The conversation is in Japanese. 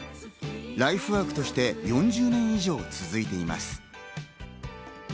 ライフワークとして４０年以上続いています。